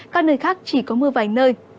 các nơi khác chỉ có mưa vài nơi